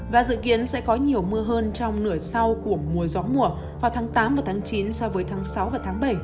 và dự kiến sẽ có nhiều mưa hơn trong nửa sau của mùa gió mùa vào tháng tám và tháng chín so với tháng sáu và tháng bảy